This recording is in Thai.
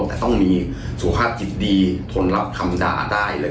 แต่ต้องมีสุขภาพจิตดีทนรับคำด่าได้เลย